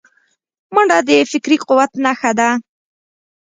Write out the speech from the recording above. منډه د فکري قوت نښه ده